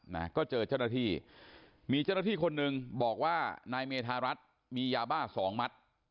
นะก็เจอเจ้าหน้าที่มีเจ้าหน้าที่คนหนึ่งบอกว่านายเมธารัฐมียาบ้าสองมัด